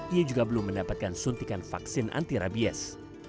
ia juga belum mendapatkan suntikan vaksin antirabies